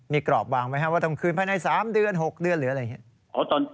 มีกรอบวางไหมครับว่าต้องคืนภายใน๓เดือน๖เดือนหรืออะไรอย่างนี้